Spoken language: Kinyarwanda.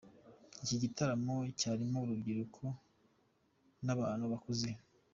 Iki gitaramo cyarimo urubyiruko n'abantu bakuze.